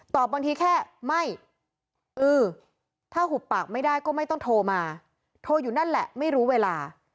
บางทีแค่ไม่เออถ้าหุบปากไม่ได้ก็ไม่ต้องโทรมาโทรอยู่นั่นแหละไม่รู้เวลา